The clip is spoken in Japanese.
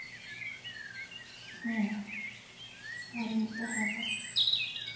もう終わりにした方が。